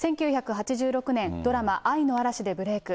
１９８６年、ドラマ、愛の嵐でブレーク。